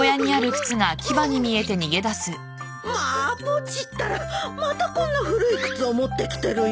まあポチったらまたこんな古い靴を持ってきてるよ。